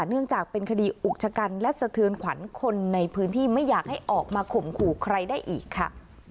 เนื่องจากเป็นคดีอุกชะกันและสะเทือนขวัญคนในพื้นที่ไม่อยากให้ออกมาข่มขู่ใครได้อีกค่ะ